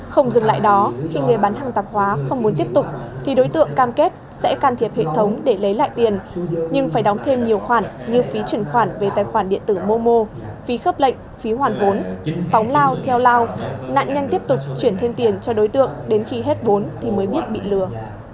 không dừng lại đó khi người bán hàng tạp hóa không muốn tiếp tục thì đối tượng cam kết sẽ can thiệp hệ thống để lấy lại tiền nhưng phải đóng thêm nhiều khoản như phí chuyển khoản về tài khoản điện tử momo phí khớp lệnh phí hoàn vốn phóng lao theo lao nạn nhân tiếp tục chuyển thêm tiền cho đối tượng đến khi hết vốn thì mới biết bị lừa